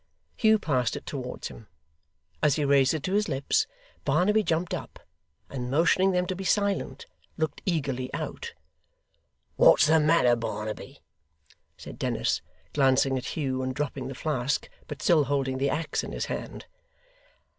Hugh passed it towards him. As he raised it to his lips, Barnaby jumped up, and motioning them to be silent, looked eagerly out. 'What's the matter, Barnaby?' said Dennis, glancing at Hugh and dropping the flask, but still holding the axe in his hand.